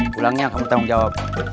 pulangnya kamu tanggung jawab